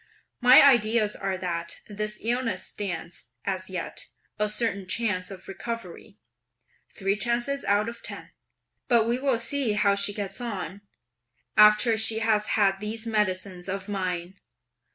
My ideas are that this illness stands, as yet, a certain chance of recovery, (three chances out of ten); but we will see how she gets on, after she has had these medicines of mine.